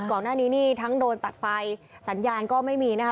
ก่อนหน้านี้นี่ทั้งโดนตัดไฟสัญญาณก็ไม่มีนะคะ